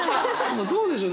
どうでしょう？